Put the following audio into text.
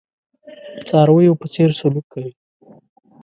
څارویو په څېر سلوک کوي.